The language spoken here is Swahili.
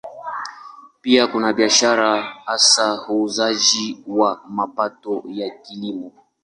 Pia kuna biashara, hasa uuzaji wa mapato ya Kilimo.